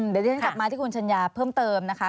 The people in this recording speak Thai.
เดี๋ยวที่ฉันกลับมาที่คุณชัญญาเพิ่มเติมนะคะ